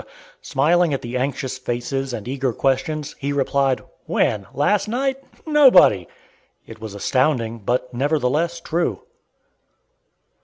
Smiling at the anxious faces and eager questions, he replied: "When? Last night? Nobody!" It was astounding, but nevertheless true.